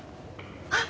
あっ！